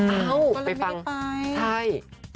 ก็เลยไม่ไปไปฟังใช่